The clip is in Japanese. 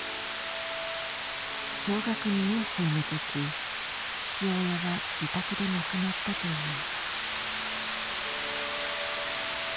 小学２年生の時父親は自宅で亡くなったという。